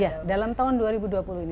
iya dalam tahun dua ribu dua puluh ini